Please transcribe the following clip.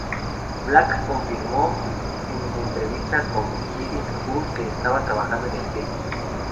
Black confirmó en una entrevista con "Bleeding Cool" que estaba trabajando en el filme.